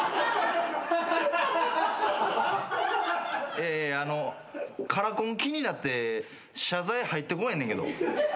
いやいやカラコン気になって謝罪入ってこおへんねんけど。